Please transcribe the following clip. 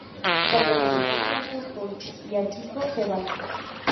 Cuando regresa, borracho, Kōichi y Akiko se van.